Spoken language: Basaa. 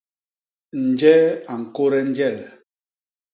Njee a ñkôde njel?